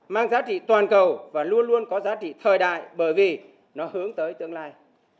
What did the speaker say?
mang giá trị toàn cầu và luôn luôn có giá trị thời đại bởi vì nó hướng tới tương lai